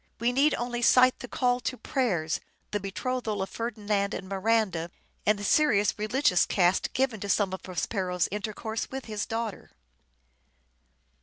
We need only cite the call " to prayers," the betrothal of Ferdinand and Miranda, and the serious religious cast given to some of Prospero's intercourse with his daughter.